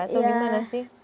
itu gimana sih